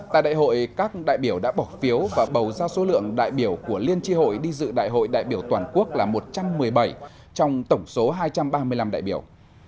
tại đại hội các đại biểu đã bỏ phiếu và bầu ra số lượng đại biểu của liên tri hội đi dự đại hội đại biểu toàn quốc là một trăm một mươi bảy trong tổng số hai trăm ba mươi năm đại biểu